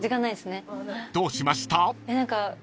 ［どうしました？］